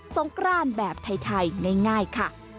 งกรานแบบไทยง่ายค่ะ